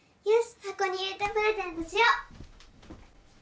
はこに入れてプレゼントしよう！